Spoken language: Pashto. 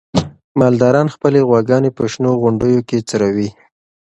مالداران خپلې غواګانې په شنو غونډیو کې څروي.